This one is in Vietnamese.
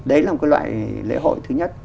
đấy là một cái loại lễ hội thứ nhất